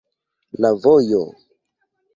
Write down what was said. La vojo.